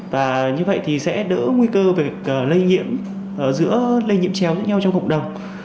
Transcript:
và như vậy thì sẽ đỡ nguy cơ về việc lây nhiễm giữa lây nhiễm chéo với nhau trong cộng đồng